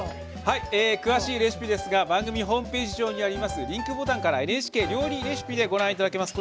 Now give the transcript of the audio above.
詳しいレシピは番組ホームページ上にあるリンクボタンから「ＮＨＫ料理レシピ」でご覧いただけます。